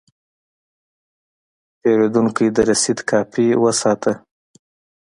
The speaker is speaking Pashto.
پیرودونکی د رسید کاپي وساته.